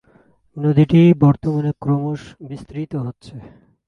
নদীটি বর্তমানে ক্রমশ বিস্তৃত হচ্ছে।